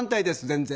全然。